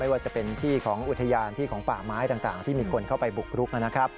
ว่าจะเป็นที่ของอุทยานที่ของป่าไม้ต่างที่มีคนเข้าไปบุกรุกนะครับ